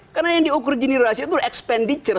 karena yang diukur jenis rasio itu expenditure